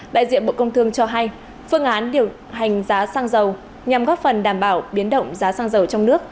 đại diện bộ công thương cho hay phương án điều hành giá xăng dầu nhằm góp phần đảm bảo biến động giá xăng dầu trong nước